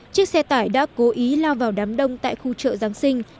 chiếc xe tải đã cố ý lao vào đám đông tại khu chợ giáng sinh